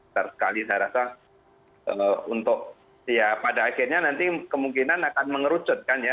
terkali saya rasa untuk ya pada akhirnya nanti kemungkinan akan mengerucutkan ya